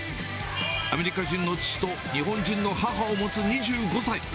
アメリカ人の父と日本人の母を持つ２５歳。